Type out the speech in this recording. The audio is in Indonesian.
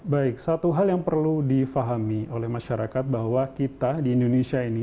baik satu hal yang perlu difahami oleh masyarakat bahwa kita di indonesia ini